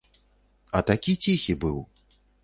А такі ціхі быў.